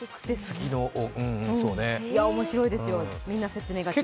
面白いですよ、みんな説明が違う。